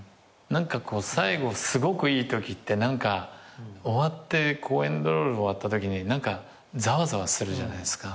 最後すごくいいときってエンドロール終わったときにざわざわするじゃないすか。